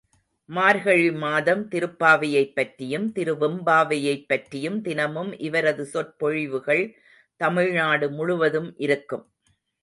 மார்கழி மாதம், திருப்பாவையைப் பற்றியும், திருவெம்பாவையைப் பற்றியும் தினமும் இவரது சொற்பொழிவுகள் தமிழ் நாடு முழுவதும் இருக்கும்.